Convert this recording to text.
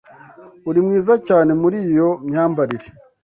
uri mwiza cyane muri iyo myambarire.